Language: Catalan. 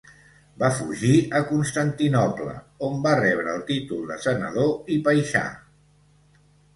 Va fugir a Constantinoble on va rebre el títol de senador i paixà.